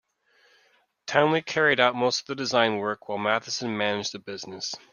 Townley carried out most of the design work while Matheson managed the business.